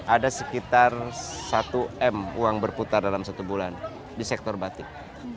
ada sekitar satu m uang berputar dalam satu bulan di sektor batik